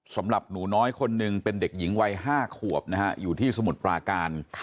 สำหรับหนูน้อยคนหนึ่งเป็นเด็กหญิงวัย๕ขวบนะฮะอยู่ที่สมุทรปราการ